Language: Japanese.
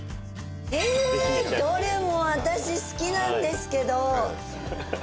ええどれも私好きなんですけど。